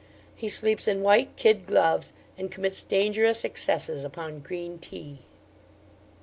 He sleeps in white kid gloves, and commits dangerous excesses upon green tea.